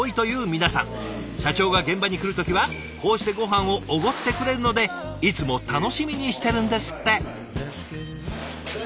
社長が現場に来る時はこうしてごはんをおごってくれるのでいつも楽しみにしてるんですって。